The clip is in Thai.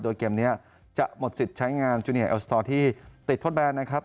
โดยเกมนี้จะหมดสิทธิ์ใช้งานจูเนียเอลสตอร์ที่ติดทดแบนนะครับ